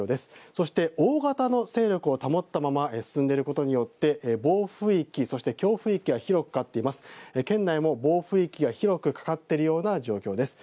そして大型の勢力を保ったまま進んでいることによって暴風域、強風域が広くかかっています。